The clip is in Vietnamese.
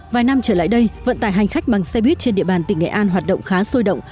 vài năm trở lại đây vận tải hành khách bằng xe buýt trên địa bàn tỉnh nghệ an hoạt động khá sôi động